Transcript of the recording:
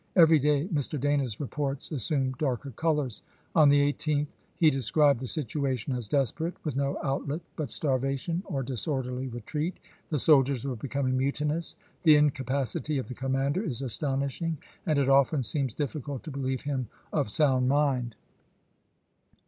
Every day Mr. Dana's reports as sumed darker colors. On the 18th he described the situation as desperate, with no outlet but starva tion or disorderly retreat ; the soldiers were becom ing mutinous; "the incapacity of the commander voi. xxx., is astonishing, and it often seems difficult to believe p. 221." him of sound mind."